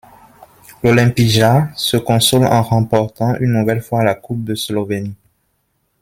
L'Olimpija se console en remportant une nouvelle fois la Coupe de Slovénie.